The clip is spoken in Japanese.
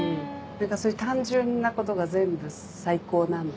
そういう単純なことが全部最高なので。